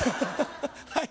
はい。